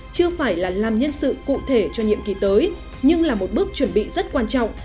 chưa phải là làm nhân sự cụ thể cho nhiệm kỳ tới nhưng là một bước chuẩn bị rất quan trọng